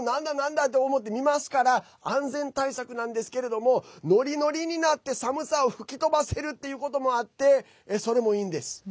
なんだ？と思って見ますから安全対策なんですけどノリノリになって寒さを吹き飛ばすってのもありそれもいいんです。